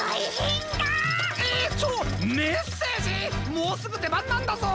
もうすぐでばんなんだぞ！